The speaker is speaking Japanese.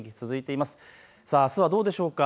あすはどうでしょうか。